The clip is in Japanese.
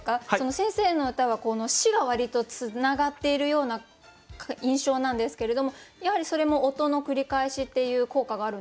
先生の歌は「し」が割とつながっているような印象なんですけれどもやはりそれも音の繰り返しっていう効果があるんですか？